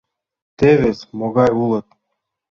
Тевыс могай улыт!